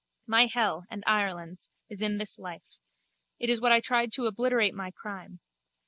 My hell, and Ireland's, is in this life. It is what I tried to obliterate my crime.